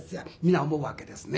皆思うわけですね。